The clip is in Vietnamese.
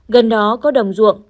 gần đó có đồng ruộng